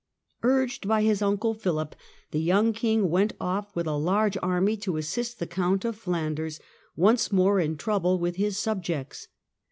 French in Urged by his Uncle Philip, the young King went off in Flanders with a large army to assist the Count of Flanders, once more in trouble with his subjects.